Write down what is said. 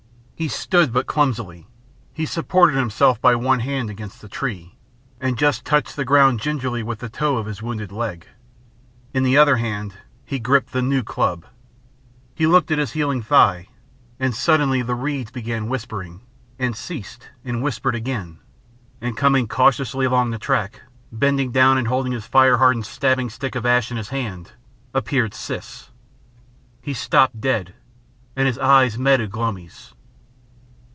He stood but clumsily. He supported himself by one hand against the tree, and just touched the ground gingerly with the toe of his wounded leg. In the other hand he gripped the new club. He looked at his healing thigh; and suddenly the reeds began whispering, and ceased and whispered again, and coming cautiously along the track, bending down and holding his fire hardened stabbing stick of ash in his hand, appeared Siss. He stopped dead, and his eyes met Ugh lomi's.